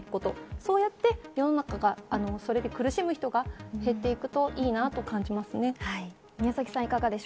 そうやって世の中がそれで苦しむ人が減っていくといいなと感じますね。